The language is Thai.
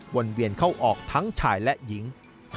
เวียนเข้าออกทั้งชายและหญิง